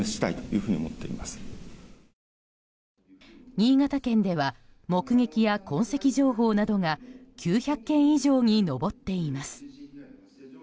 新潟県では目撃や痕跡情報などが９００件以上に上っています。